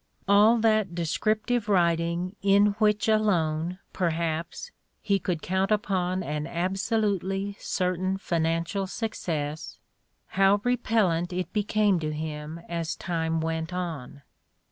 AU that descriptive writing in which alone, perhaps, he could count upon an absolutely certain fijianeial suc cess — ^how repellant it became to him as time went on